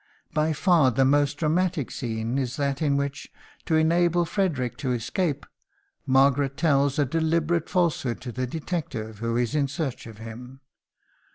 By far the most dramatic scene is that in which, to enable Frederick to escape, Margaret tells a deliberate falsehood to the detective who is in search of him.